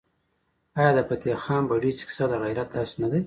آیا د فتح خان بړیڅ کیسه د غیرت درس نه دی؟